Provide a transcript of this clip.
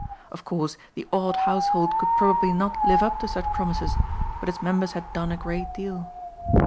Of course the odd household could probably not live up to such promises but its members had done a great deal.